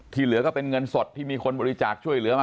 เหลือก็เป็นเงินสดที่มีคนบริจาคช่วยเหลือมา